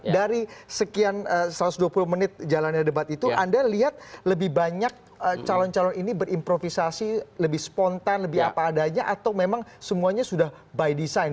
dari sekian satu ratus dua puluh menit jalannya debat itu anda lihat lebih banyak calon calon ini berimprovisasi lebih spontan lebih apa adanya atau memang semuanya sudah by design